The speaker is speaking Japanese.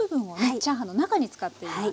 チャーハンの中に使っています。